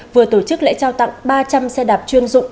vừa tổ chức lễ trao tặng ba trăm linh xe đạp chuyên dụng